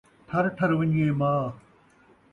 ٹھر ٹھر وَن٘ڄے ماء